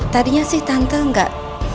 tadinya sih tante nggak